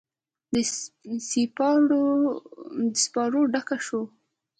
د سیپارو ډکه شوه